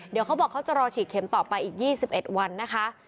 เดี๋ยวเขาบอกเขาจะรอฉีดเข็มต่อไปอีก๒๑วันนะคะ